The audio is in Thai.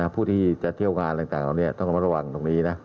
ผู้ที่เจอที่เที่ยวงานตรงหลังต่างต้องรับมาระวังตรงนี้